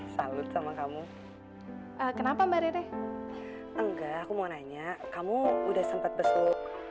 salut sama kamu kenapa mbak rere enggak aku mau nanya kamu udah sempet besok